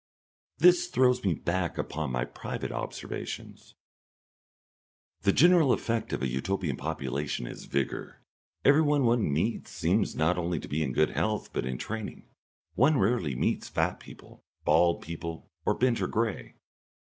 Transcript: This throws me back upon my private observations. The general effect of a Utopian population is vigour. Everyone one meets seems to be not only in good health but in training; one rarely meets fat people, bald people, or bent or grey.